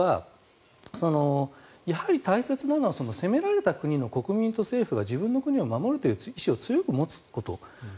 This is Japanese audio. もう１つ大切なのは攻められた国の政府と国民が自分の国を守るという意思を強く持つこと。